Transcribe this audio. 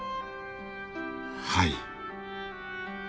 はい。